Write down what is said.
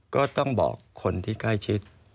ก็ต้องบอกคนที่ใกล้ชิด